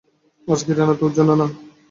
আজকের ইরান তোর জন্য না।